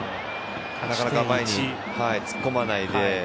なかなか前に突っ込まないで。